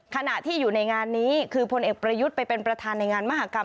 ขณะที่อยู่ในงานนี้คือพลเอกประยุทธ์ไปเป็นประธานในงานมหากรรม